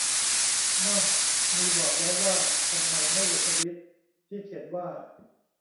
น่อง มีบอกแล้วว่าทำไมไม่เห็นทวีตที่เขียนว่า